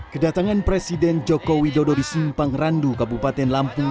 kedatangan presiden jokowi dodo di simpang randu kabupaten lampung